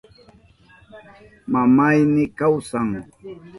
Mamayni kawsan.